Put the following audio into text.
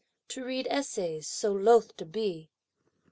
to read essays so loth to be!